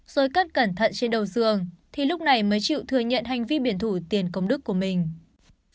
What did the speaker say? rồi cắt cẩn thận trên đầu dường thì lúc này mới chịu thừa nhận hành vi biển thủ tiền công đức của mình